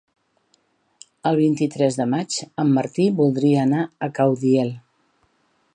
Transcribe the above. El vint-i-tres de maig en Martí voldria anar a Caudiel.